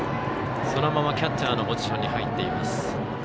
そのままキャッチャーのポジションに入っています。